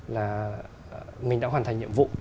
là mình đã hoàn thành nhiệm vụ